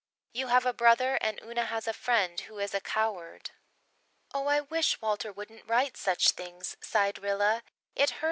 You have a brother and Una has a friend who is a coward." "Oh, I wish Walter wouldn't write such things," sighed Rilla.